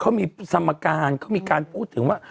เขามีสมการเขามีการพูดถึงว่า